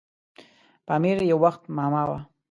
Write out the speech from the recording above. پامیر یو وخت معما وه.